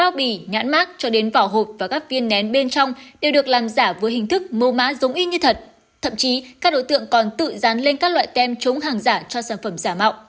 các loại tem chống hàng giả cho sản phẩm giả mạo